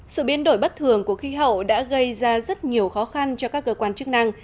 sự biến đổi bất thường của khí hậu đã gây ra rất nhiều khó khăn cho các cơ quan chức năng